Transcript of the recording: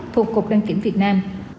thuộc cục đăng kiểm việt nam